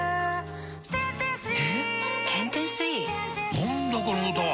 何だこの歌は！